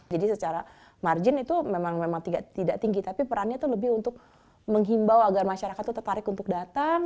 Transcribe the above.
jadi secara margin itu memang tidak tinggi tapi perannya itu lebih untuk menghimbau agar masyarakat tertarik untuk datang